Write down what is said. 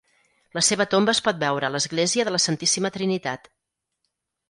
La seva tomba es pot veure a l'església de la Santíssima Trinitat.